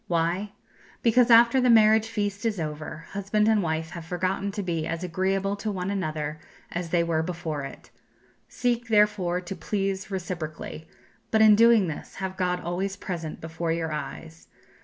Why? Because after the marriage feast is over, husband and wife have forgotten to be as agreeable to one another as they were before it. Seek, therefore, to please reciprocally; but in doing this have God always present before your eyes.